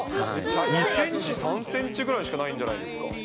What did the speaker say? ２センチ、３センチぐらいしかないんじゃないですか。